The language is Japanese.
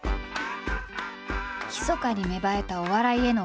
ひそかに芽生えたお笑いへの思い。